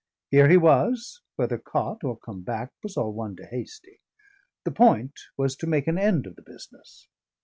Here he was whether caught or come back was all one to Hastie: the point was to make an end of the business.